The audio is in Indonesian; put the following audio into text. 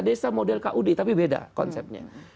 desa model kud tapi beda konsepnya